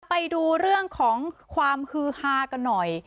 ไปดูเรื่องของความฮือฮากันหน่อย